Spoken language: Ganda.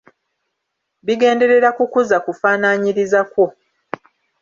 Bigenderera kukuza kufaanaanyiriza kwo.